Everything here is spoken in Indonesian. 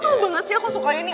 kau tau banget sih aku sukanya ini